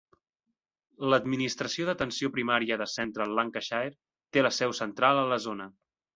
L'Administració d'atenció primària de Central Lancashire té la seu central a la zona.